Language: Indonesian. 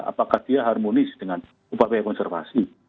apakah dia harmonis dengan upaya konservasi